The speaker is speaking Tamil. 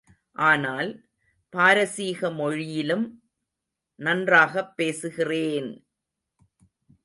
ஆனால், பாரசீக மொழியிலும் நன்றாகப் பேசுகிறேன்!